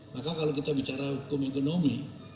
maka kalau kita bicara hukum ekonomi